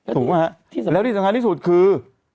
ถูกไหมฮะแล้วที่สำคัญที่สุดคือ